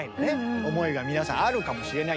思いが皆さんあるかもしれないんですが。